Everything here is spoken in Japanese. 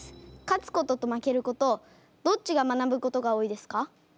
勝つことと負けることどっちが学ぶことが多いですか？